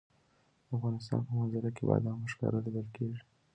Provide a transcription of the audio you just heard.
د افغانستان په منظره کې بادام په ښکاره لیدل کېږي.